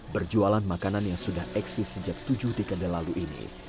berjualan makanan yang sudah eksis sejak tujuh dekade lalu ini